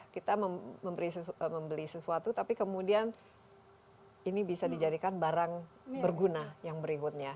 kita membeli sesuatu tapi kemudian ini bisa dijadikan barang berguna yang berikutnya